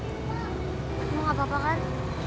semua gak apa apa kan